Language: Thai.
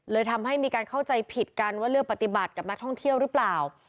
ทำให้มีการเข้าใจผิดกันว่าเลือกปฏิบัติกับนักท่องเที่ยวหรือเปล่า